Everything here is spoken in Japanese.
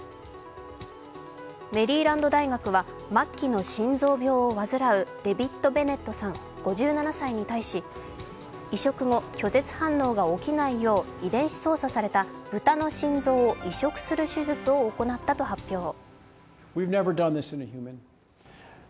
メリーランド大学は末期の心臓病を患うデビッド・ベネットさん５７歳に対し移植後、拒絶反応が起きないよう遺伝子操作された豚の心臓を移植する手術を行ったと発表。